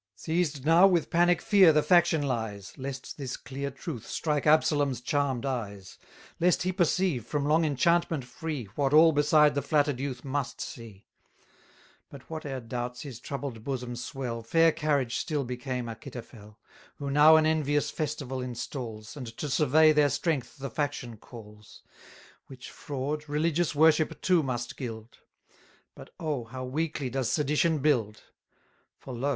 Seized now with panic fear the faction lies, Lest this clear truth strike Absalom's charm'd eyes, Lest he perceive, from long enchantment free, What all beside the flatter'd youth must see: 910 But whate'er doubts his troubled bosom swell, Fair carriage still became Achitophel, Who now an envious festival installs, And to survey their strength the faction calls, Which fraud, religious worship too must gild. But oh! how weakly does sedition build! For lo!